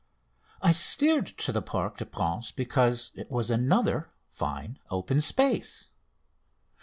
I steered to the Parc des Princes because it was another fine open space.